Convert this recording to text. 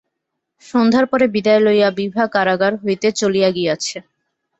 সন্ধ্যার পরে বিদায় লইয়া বিভা কারাগার হইতে চলিয়া গিয়াছে।